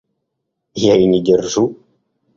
Я и не держу.